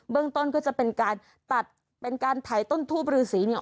ต้นก็จะเป็นการตัดเป็นการถ่ายต้นทูบรือสีเนี่ย